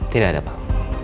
tidak ada pak